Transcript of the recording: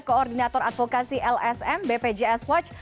koordinator advokasi lsm bpjs watch